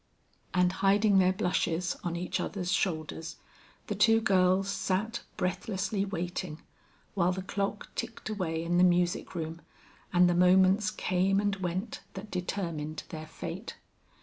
And hiding their blushes on each other's shoulders, the two girls sat breathlessly waiting, while the clock ticked away in the music room and the moments came and went that determined their fate.